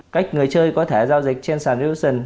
cách người chơi có thể giao dịch trên sàn hit option